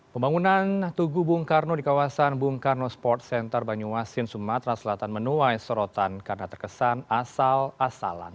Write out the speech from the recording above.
pembangunan tugu bung karno di kawasan bung karno sports center banyuasin sumatera selatan menuai sorotan karena terkesan asal asalan